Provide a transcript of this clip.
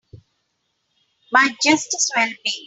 Might just as well be.